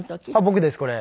僕ですこれ。